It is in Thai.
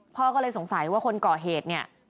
พ่อก็เลยสงสัยว่าคนก่อเหตุเนี่ย